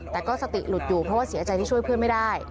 แต่ก็สติหลุดอยู่เพราะว่าเสียใจที่ช่วยเพื่อนไม่ได้